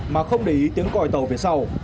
mà không để ý tiếng còi tàu về sau